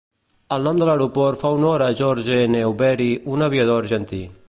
El nom de l'aeroport fa honor a Jorge Newbery, un aviador argentí.